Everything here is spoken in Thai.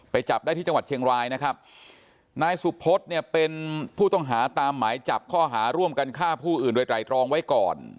จับได้ที่จังหวัดเชียงรายนะครับนายสุพธเนี่ยเป็นผู้ต้องหาตามหมายจับข้อหาร่วมกันฆ่าผู้อื่นโดยไตรรองไว้ก่อน